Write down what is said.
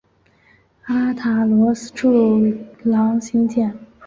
阿塔罗斯柱廊兴建。